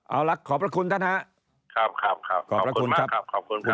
เอาละขอบพระคุณท่านฮะครับครับขอบคุณมากครับขอบคุณครับ